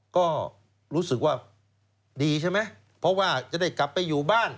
ก็รู้สึกว่าดีใช่ไหมเพราะว่าจะได้กลับไปอยู่บ้าน